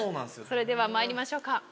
それではまいりましょうか。